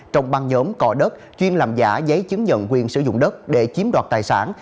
trong băng nhóm cò đất chuyên làm giả giấy chứng nhận quyền sử dụng đất để chiếm đoạt tài sản